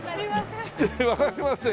わかりません。